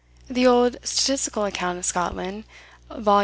The old "Statistical Account of Scotland" (vol.